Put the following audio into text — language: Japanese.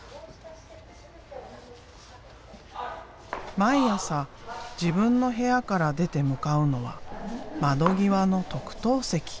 毎朝自分の部屋から出て向かうのは窓際の特等席。